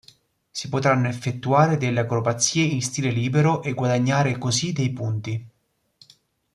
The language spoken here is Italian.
Si potranno effettuare delle acrobazie in stile libero e guadagnare così dei punti.